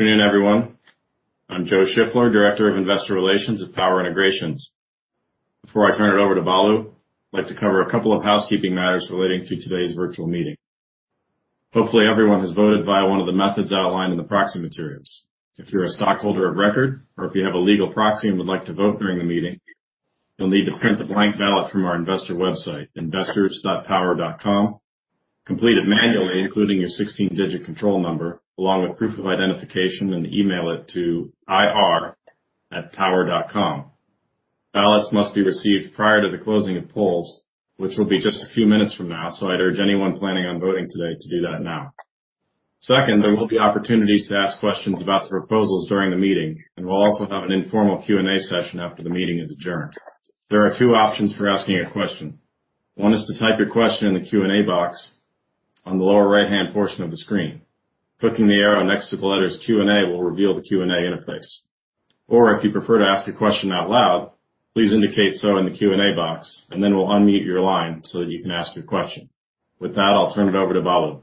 Good evening, everyone. I'm Joe Shiffler, Director of Investor Relations at Power Integrations. Before I turn it over to Balu, I'd like to cover a couple of housekeeping matters relating to today's virtual meeting. Hopefully, everyone has voted via one of the methods outlined in the proxy materials. If you're a stockholder of record or if you have a legal proxy and would like to vote during the meeting, you'll need to print the blank ballot from our investor website, investors.power.com, complete it manually, including your 16-digit control number, along with proof of identification, and then email it to ir@power.com. Ballots must be received prior to the closing of polls, which will be just a few minutes from now, so I'd urge anyone planning on voting today to do that now. There will be opportunities to ask questions about the proposals during the meeting, and we'll also have an informal Q&A session after the meeting is adjourned. There are two options for asking a question. One is to type your question in the Q&A box on the lower right-hand portion of the screen. Clicking the arrow next to the letters Q&A will reveal the Q&A interface. If you prefer to ask a question out loud, please indicate so in the Q&A box, and then we'll unmute your line so that you can ask your question. With that, I'll turn it over to Balu.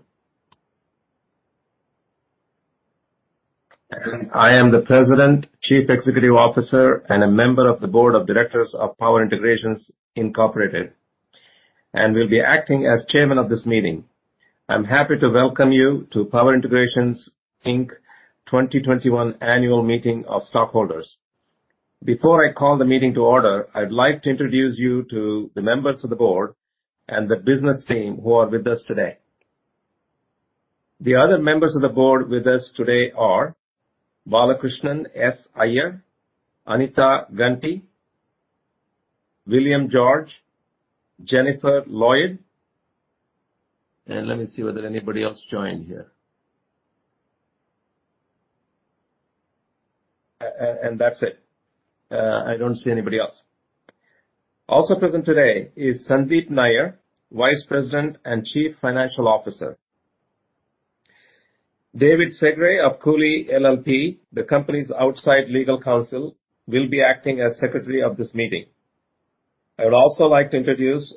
I am the President, Chief Executive Officer, and a member of the Board of Directors of Power Integrations Incorporated, and will be acting as chairman of this meeting. I'm happy to welcome you to Power Integrations, Inc. 2021 annual meeting of stockholders. Before I call the meeting to order, I'd like to introduce you to the members of the board and the business team who are with us today. The other members of the board with us today are Balakrishnan S. Iyer, Anita Ganti, William George, Jennifer Lloyd, and let me see whether anybody else joined here. That's it. I don't see anybody else. Also present today is Sandeep Nayyar, Vice President and Chief Financial Officer. David Segre of Cooley LLP, the company's outside legal counsel, will be acting as secretary of this meeting. I'd also like to introduce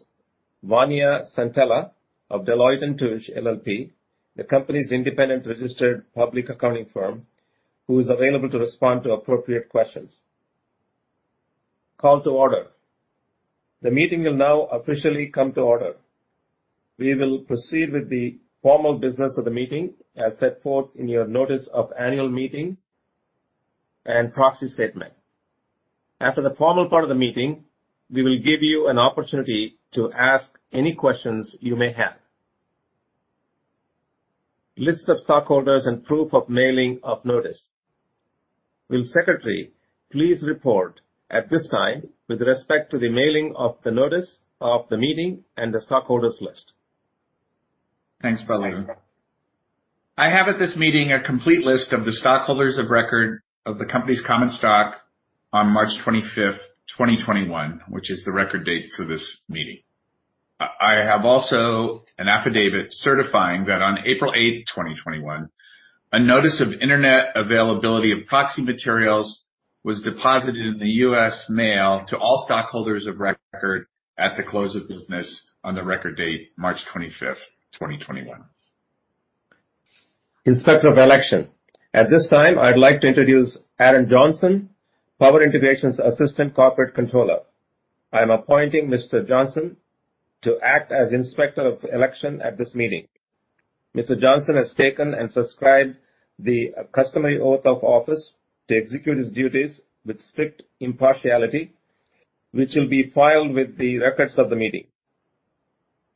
Vania Santella of Deloitte & Touche LLP, the company's independent registered public accounting firm, who is available to respond to appropriate questions. Call to order. The meeting will now officially come to order. We will proceed with the formal business of the meeting as set forth in your notice of annual meeting and proxy statement. After the formal part of the meeting, we will give you an opportunity to ask any questions you may have. List of stockholders and proof of mailing of notice. Will secretary please report at this time with respect to the mailing of the notice of the meeting and the stockholders list. Thanks, Balu. I have at this meeting a complete list of the stockholders of record of the company's common stock on March 25th, 2021, which is the record date for this meeting. I have also an affidavit certifying that on April 8th, 2021, a notice of internet availability of proxy materials was deposited in the U.S. mail to all stockholders of record at the close of business on the record date, March 25th, 2021. Inspector of Election. At this time, I'd like to introduce Aaron Johnson, Power Integrations Assistant Corporate Controller. I'm appointing Mr. Johnson to act as Inspector of Election at this meeting. Mr. Johnson has taken and subscribed the customary oath of office to execute his duties with strict impartiality, which will be filed with the records of the meeting.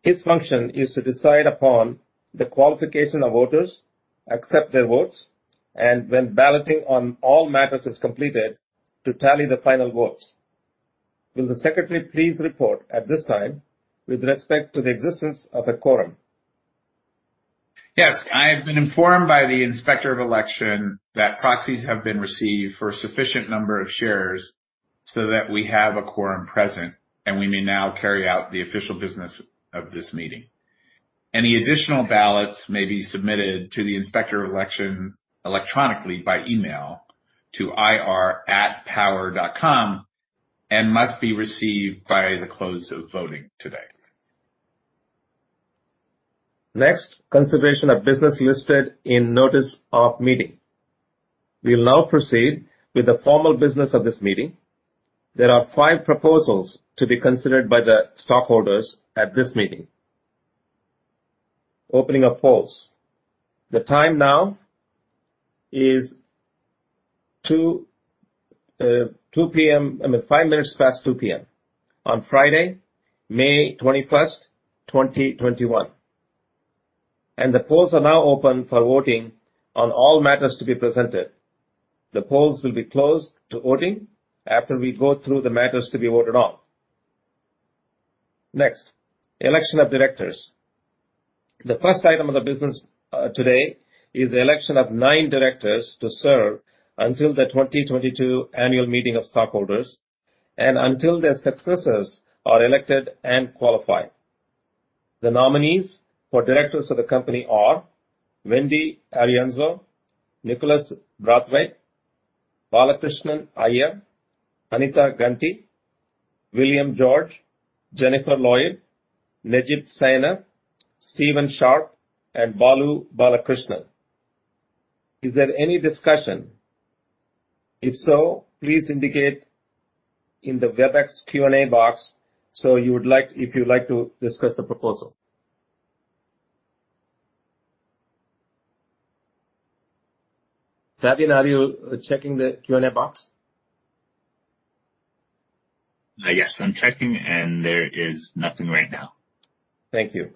His function is to decide upon the qualification of voters, accept their votes, and when balloting on all matters is completed, to tally the final votes. Will the secretary please report at this time with respect to the existence of a quorum. Yes. I have been informed by the Inspector of Election that proxies have been received for a sufficient number of shares so that we have a quorum present, and we may now carry out the official business of this meeting. Any additional ballots may be submitted to the Inspector of Elections electronically by email to ir@power.com and must be received by the close of voting today. Next, consideration of business listed in notice of meeting. We'll now proceed with the formal business of this meeting. There are five proposals to be considered by the stockholders at this meeting. Opening of polls. The time now is 2:00 P.M., five minutes past 2:00 P.M. on Friday, May 21st, 2021. The polls are now open for voting on all matters to be presented. The polls will be closed to voting after we go through the matters to be voted on. Next, election of directors. The first item of the business today is the election of nine directors to serve until the 2022 annual meeting of stockholders and until their successors are elected and qualified. The nominees for directors of the company are Wendy Arienzo, Nicholas Brathwaite, Balakrishnan Iyer, Anita Ganti, William George, Jennifer Lloyd, Necip Sayiner, Steve Sharp, and Balu Balakrishnan. Is there any discussion? If so, please indicate in the Webex Q&A box if you would like to discuss the proposal. Fabian, are you checking the Q&A box? Yes, I'm checking, and there is nothing right now. Thank you.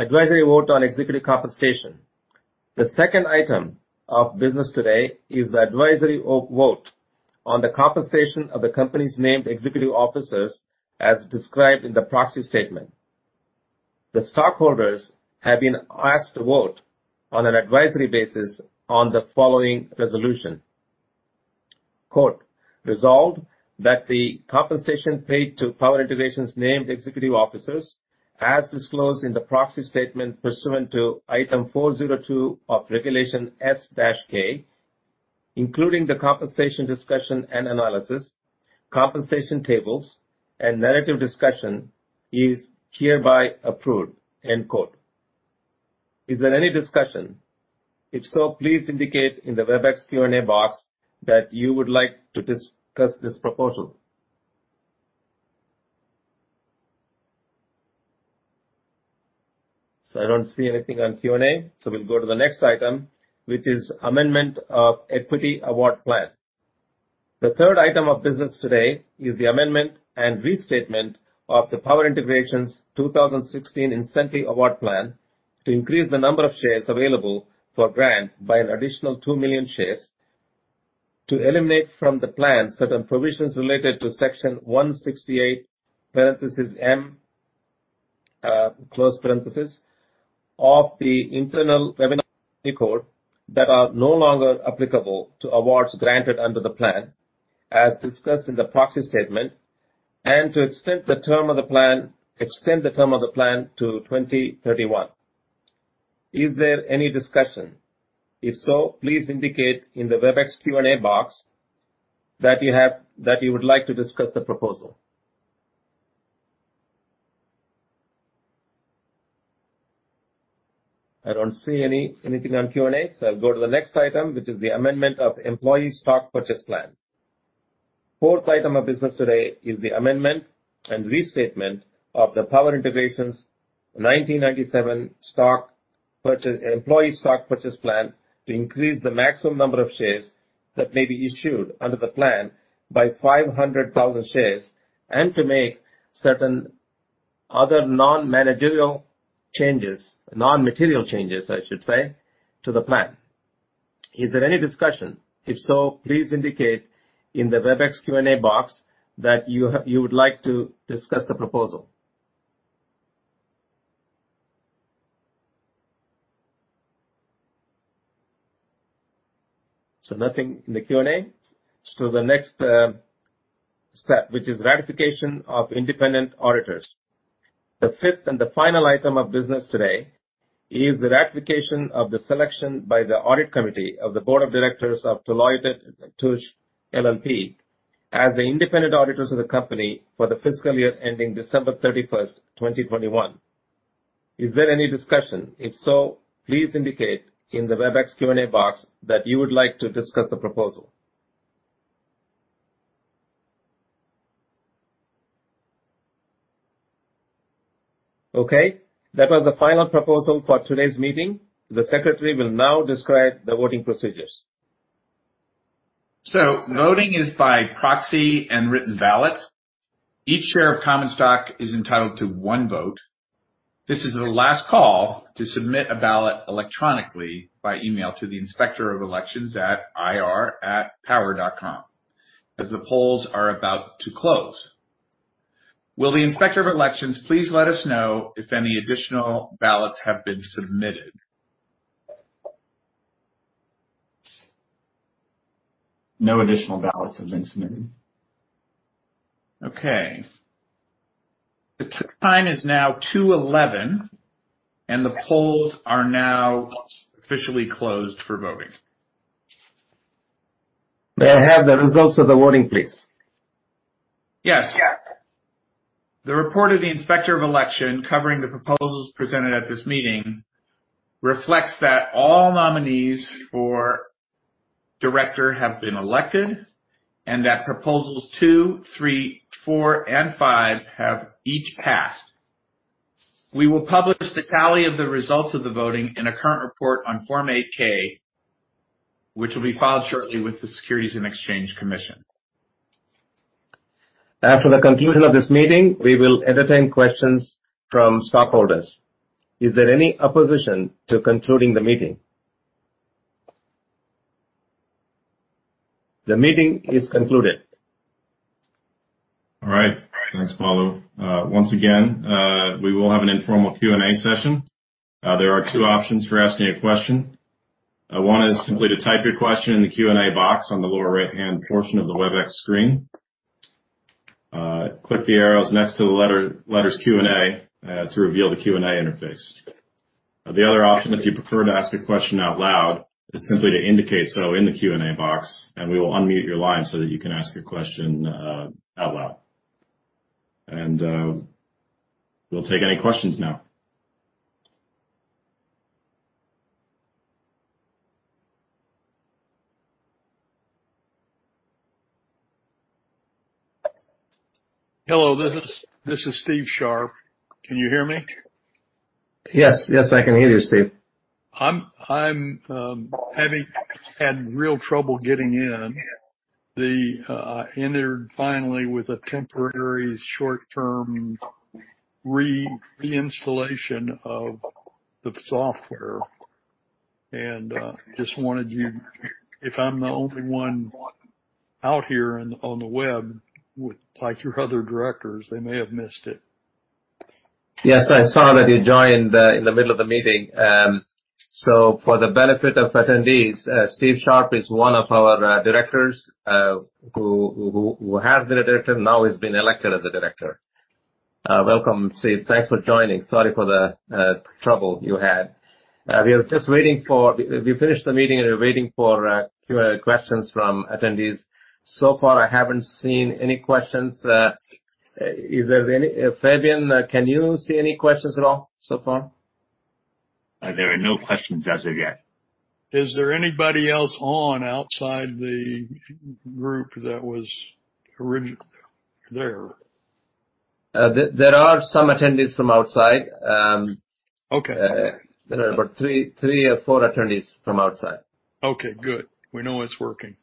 Advisory vote on executive compensation. The second item of business today is the advisory vote on the compensation of the company's named executive officers as described in the proxy statement. The stockholders have been asked to vote on an advisory basis on the following resolution. Quote, "Resolved that the compensation paid to Power Integrations' named executive officers, as disclosed in the proxy statement pursuant to Item 402 of Regulation S-K, including the compensation discussion and analysis, compensation tables, and narrative discussion, is hereby approved." End quote. Is there any discussion? If so, please indicate in the Webex Q&A box that you would like to discuss this proposal. I don't see anything on Q&A, so we'll go to the next item, which is amendment of equity award plan. The third item of business today is the amendment and restatement of the Power Integrations 2016 Incentive Award Plan to increase the number of shares available for grant by an additional 2 million shares, to eliminate from the plan certain provisions related to Section 168 of the Internal Revenue Code that are no longer applicable to awards granted under the plan, as discussed in the proxy statement, and to extend the term of the plan to 2031. Is there any discussion? If so, please indicate in the Webex Q&A box that you would like to discuss the proposal. I don't see anything on Q&A, so I'll go to the next item, which is the amendment of employee stock purchase plan. Fourth item of business today is the amendment and restatement of the Power Integrations 1997 Employee Stock Purchase Plan to increase the maximum number of shares that may be issued under the plan by 500,000 shares and to make certain other non-material changes to the plan. Is there any discussion? If so, please indicate in the Webex Q&A box that you would like to discuss the proposal. Nothing in the Q&A. The next step, which is ratification of independent auditors. The fifth and the final item of business today is the ratification of the selection by the audit committee of the board of directors of Deloitte & Touche LLP as the independent auditors of the company for the fiscal year ending December 31st, 2021. Is there any discussion? If so, please indicate in the Webex Q&A box that you would like to discuss the proposal. Okay. That was the final proposal for today's meeting. The secretary will now describe the voting procedures. Voting is by proxy and written ballot. Each share of common stock is entitled to one vote. This is the last call to submit a ballot electronically by email to the inspector of elections at ir@power.com as the polls are about to close. Will the inspector of elections please let us know if any additional ballots have been submitted? No additional ballots have been submitted. Okay. The time is now 2:11 P.M., and the polls are now officially closed for voting. May I have the results of the voting, please? Yes. The report of the inspector of election covering the proposals presented at this meeting reflects that all nominees for director have been elected and that proposals two, three, four, and five have each passed. We will publish the tally of the results of the voting in a current report on Form 8-K, which will be filed shortly with the Securities and Exchange Commission. After the conclusion of this meeting, we will entertain questions from stockholders. Is there any opposition to concluding the meeting? The meeting is concluded. All right. Thanks, Balu. Once again, we will have an informal Q&A session. There are two options for asking a question. One is simply to type your question in the Q&A box on the lower right-hand portion of the Webex screen. Click the arrows next to the letters Q&A to reveal the Q&A interface. The other option, if you prefer to ask a question out loud, is simply to indicate so in the Q&A box, and we will unmute your line so that you can ask a question out loud. We'll take any questions now. Hello, this is Steve Sharp. Can you hear me? Yes. I can hear you, Steve. I'm having real trouble getting in. I entered finally with a temporary short-term reinstallation of the software and just wanted you If I'm the only one out here on the web with like your other directors, they may have missed it. Yes, I saw that you joined in the middle of the meeting. For the benefit of attendees, Steve Sharp is one of our directors who has been a director and now he's been elected as a director. Welcome, Steve. Thanks for joining. Sorry for the trouble you had. We finished the meeting and we're waiting for Q&A questions from attendees. So far, I haven't seen any questions. Fabian, can you see any questions at all so far? There are no questions as of yet. Is there anybody else on outside the group that was originally there? There are some attendees from outside. Okay. There are three or four attendees from outside. Okay, good. We know it's working.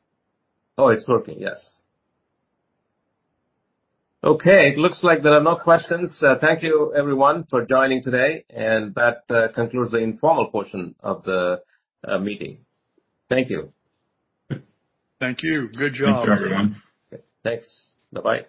Oh, it's working. Yes. Okay. It looks like there are no questions. Thank you everyone for joining today, and that concludes the informal portion of the meeting. Thank you. Thank you. Good job, everyone. Thanks. Bye-bye.